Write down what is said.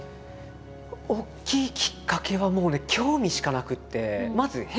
大きいきっかけはもうね興味しかなくて。